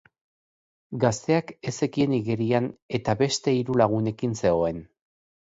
Gazteak ez zekien igerian eta beste hiru lagunekin zegoen.